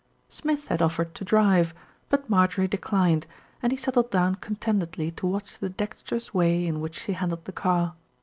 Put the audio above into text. Smith had offered to drive; but Marjorie declined, and he settled down contentedly to watch the dexterous way in which she handled the car.